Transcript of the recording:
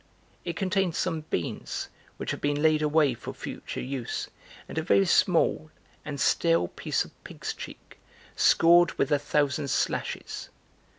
It contained some beans which had been laid away for future use, and a very small and stale piece of pig's cheek, scored with a thousand slashes.